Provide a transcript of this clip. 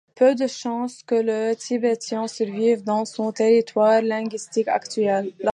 Peu de chance que le tibétain survive dans son territoire linguistique actuel.